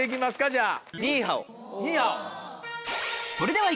じゃあ。